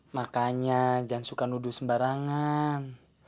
makanya jangan suka nuduh sembarangan